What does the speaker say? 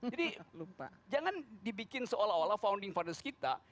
jadi jangan dibikin seolah olah founding father kita